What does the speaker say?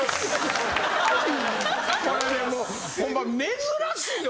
これねもうホンマ珍しいよ。